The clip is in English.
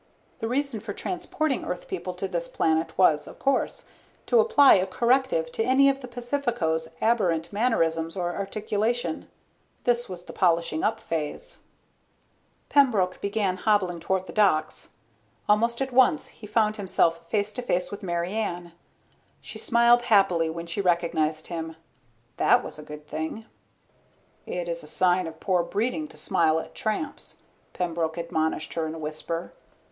The reason for transporting Earth People to this planet was, of course, to apply a corrective to any of the Pacificos' aberrant mannerisms or articulation. This was the polishing up phase. Pembroke began hobbling toward the docks. Almost at once he found himself face to face with Mary Ann. She smiled happily when she recognized him. That was a good thing. "It is a sign of poor breeding to smile at tramps," Pembroke admonished her in a whisper.